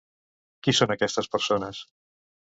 Qui són aquestes persones?